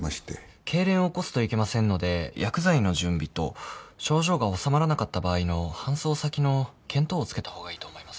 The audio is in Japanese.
けいれんを起こすといけませんので薬剤の準備と症状がおさまらなかった場合の搬送先の見当をつけた方がいいと思います。